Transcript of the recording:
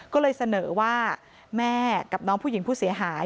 ก็เลยเสนอว่าแม่กับน้องผู้หญิงผู้เสียหาย